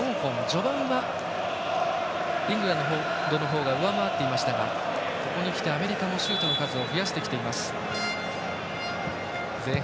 序盤はイングランドの方が上回っていましたがここに来てアメリカもシュートを増やしてきています。